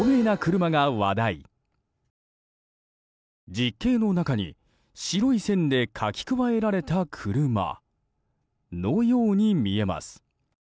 実景の中に白い線で書き加えられた車のように見えます。